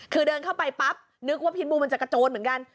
คือเดินเข้าไปปั๊บนึกว่าพิษบูมันจะกระโจนเหมือนกัน